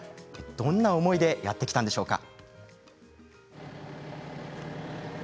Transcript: どんな思いでやって来たんでしょうか。